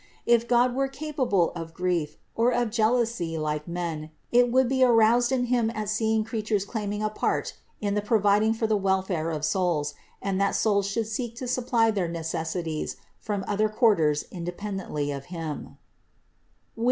If God were capable of grief, or of jealousy like men, it would be aroused in Him at seeing creatures claiming a part in the providing for the welfare of souls and that souls should seek to supply their necessities from other quar ters independently of Him (Wis.